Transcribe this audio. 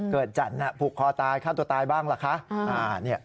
เกิดจันทร์ผูกคอตายฆ่าตัวตายบ้างหรือคะ